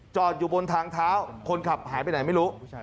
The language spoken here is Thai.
อยู่บนทางเท้าคนขับหายไปไหนไม่รู้